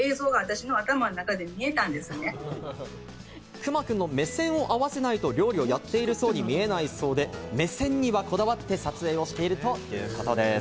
くまくんの目線を合わせないと料理をやっているように見えないそうで、目線にはこだわって撮影しているということです。